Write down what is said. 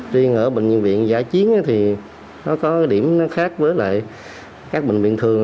tuy nhiên ở bệnh viện giải chiến thì nó có điểm khác với các bệnh viện thường